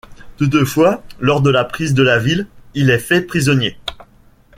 Toutefois, lors de la prise de la ville, il est fait prisonnier.